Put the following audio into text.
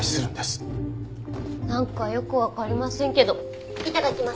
なんかよくわかりませんけど頂きます。